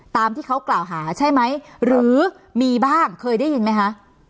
ตามที่เขากล่าวหาใช่ไหมหรือมีบ้างเคยได้ยินไหมคะ